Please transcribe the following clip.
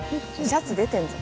シャツ出てんぞ」